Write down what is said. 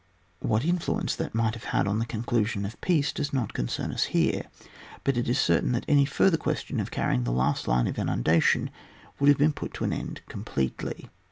What influence that might have had on the conclusion of peace does not concern us here, but it is certain that any further question of carrying the last line of inundation would have been put an end to completely.